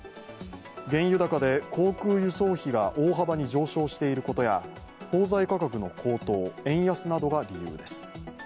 原油高で航空輸送費が大幅に上昇していることや包材価格の高騰円安などが理由です。